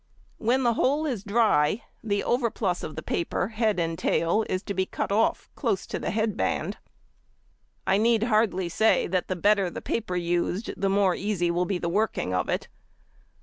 When the whole is dry, the overplus of the paper, head and tail, is to be cut off close to the head band. I need hardly say that the better the paper used the more easy will be the working of it.